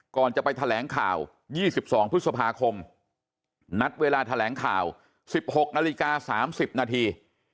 ก่อนจะไปแถลงข่าว๒๒พฤษภาคมนัดเวลาแถลงข่าว๑๖นาฬิกา๓๐นาที